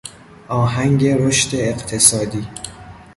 آهنگ رشد اقتصادی